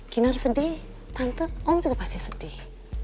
kinar sedih tante om juga pasti sedih